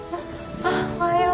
あっおはよう。